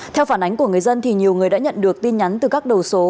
theo phản ánh của người dân thì nhiều người đã nhận được tin nhắn từ các đầu số